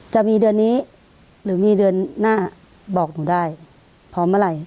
จะมีเดือนนี้หรือมีเดือนหน้าบอกหนูได้พร้อมเมื่อไหร่